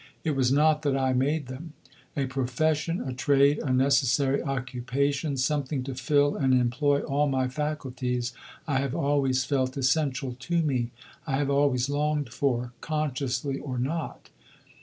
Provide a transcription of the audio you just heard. It was not that I made them. A profession, a trade, a necessary occupation, something to fill and employ all my faculties, I have always felt essential to me, I have always longed for, consciously or not.